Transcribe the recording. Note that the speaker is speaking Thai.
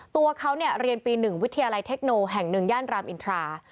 ตัวเขาเรียนปี๑วิทยาลัยเทคโนแห่ง๑ย่านรามอินทรา